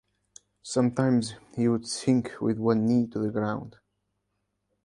Sometimes he would sink with one knee to the ground.